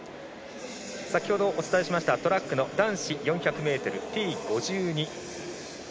先ほどお伝えしましたトラックの男子４００ｍＴ５２